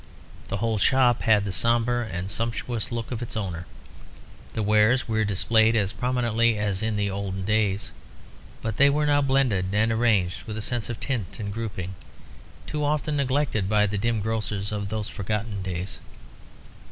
The whole shop had the sombre and sumptuous look of its owner. The wares were displayed as prominently as in the old days, but they were now blended and arranged with a sense of tint and grouping, too often neglected by the dim grocers of those forgotten days.